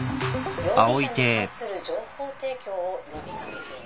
容疑者に関する情報提供を呼び掛けています。